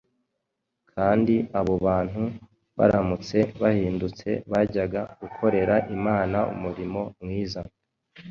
kandi abo bantu baramutse bahindutse bajyaga gukorera Imana umurimo mwiza.